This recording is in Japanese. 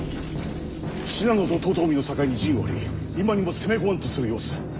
信濃と遠江の境に陣を張り今にも攻め込まんとする様子！